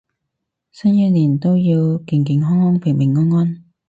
新一年都要健健康康平平安安